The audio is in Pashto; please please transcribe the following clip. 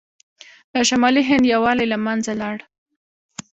د شمالي هند یووالی له منځه لاړ.